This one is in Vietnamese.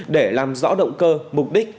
để làm rõ động cơ mục đích